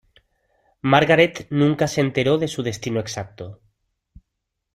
Margarete nunca se enteró de su destino exacto.